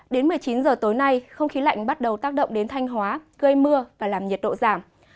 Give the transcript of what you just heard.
đến một mươi chín h tối nay không khí lạnh bắt đầu tác động đến thanh hóa gây mưa và làm nhiệt độ giảm